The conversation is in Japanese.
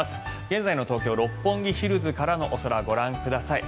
現在の東京・六本木ヒルズからのお空ご覧ください。